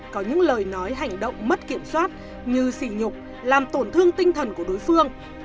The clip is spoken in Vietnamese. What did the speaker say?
có những lời nói hành động mất kiểm soát như xì nhục làm tổn thương tinh thần của đối phương